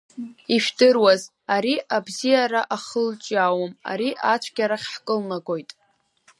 Ижәдыруаз, ари абзиара ахылҿиаауам, ари ацәгьарахь ҳкылнагоит…